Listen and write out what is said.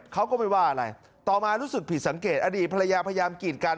เขาก็ไม่ว่าอะไรต่อมารู้สึกผิดสังเกตอดีตภรรยาพยายามกีดกัน